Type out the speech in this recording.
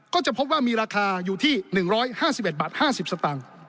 ก็จะพบว่ามีราคาอยู่ที่๑๕๑๕๐บาท